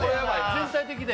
全体的で？